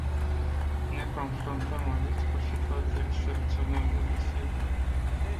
Ne confruntăm aici cu situații excepționale, desigur.